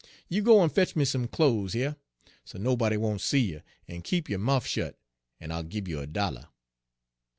You go en fetch me some clo's heah, so nobody won't see you, en keep yo' mouf shet, en I'll gib you a dollah.'